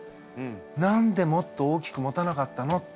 何でもっと大きく持たなかったのって。